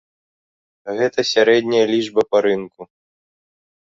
Гэта сярэдняя лічба па рынку.